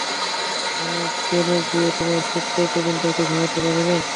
আমরা কেন গিয়ে তোমার ছোট্ট কেবিনটাতে ঘুমোতে পারি না?